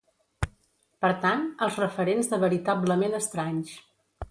Per tant, els referents de veritablement estranys.